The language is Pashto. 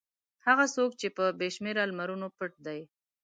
هغه څوک چې په بې شمېره لمرونو پټ دی.